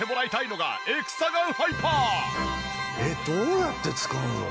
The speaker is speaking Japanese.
えっどうやって使うの？